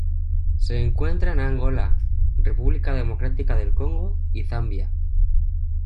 Se encuentra en Angola, República Democrática del Congo, y Zambia.